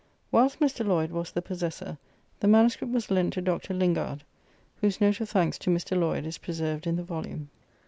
Whilst Mr. Lloyd was the possessor, the MS. was lent to Dr. Lingard, whose note of thanks to Mr. Lloyd is preserved in the volume.